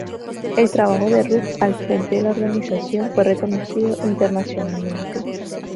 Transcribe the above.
El trabajo de Ruth al frente de la Organización fue reconocido internacionalmente.